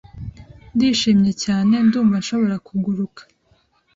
Ndishimye cyane, ndumva nshobora kuguruka.